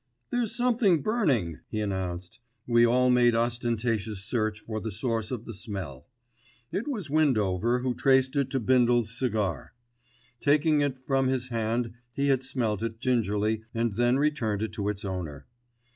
"There's something burning," he announced. We all made ostentatious search for the source of the smell. It was Windover who traced it to Bindle's cigar. Taking it from his hand he had smelt it gingerly and then returned it to its owner.